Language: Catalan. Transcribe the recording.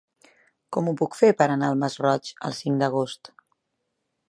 Com ho puc fer per anar al Masroig el cinc d'agost?